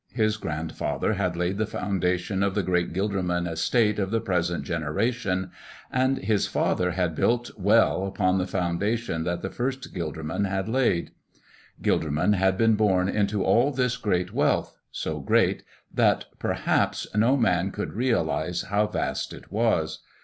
His grandfather had laid the foundation of that great Gilderman estate of the present generation, and his father had built well upon the foundation that the first Gilderman had laid. Gilderman had been born into all this great wealth so great that, perhaps, no man could realize how vast it was.